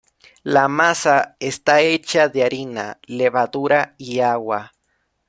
La masa está hecha de harina, levadura y agua.